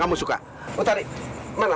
biar kapan zaira